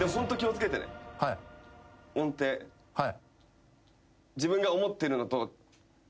はい。